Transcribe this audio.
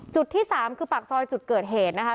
ที่๓คือปากซอยจุดเกิดเหตุนะคะ